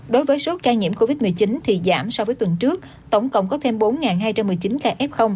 đối với số ca nhiễm covid một mươi chín thì giảm so với tuần trước tổng cộng có thêm bốn hai trăm một mươi chín ca f